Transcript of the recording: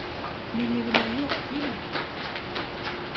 – Mеndе günä ýok pirim.